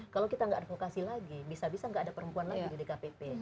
kalau kita nggak advokasi lagi bisa bisa nggak ada perempuan lagi di dkpp